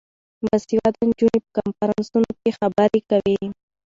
باسواده نجونې په کنفرانسونو کې خبرې کوي.